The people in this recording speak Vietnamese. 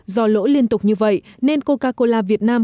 do lỗ liên tục như vậy nên coca cola việt nam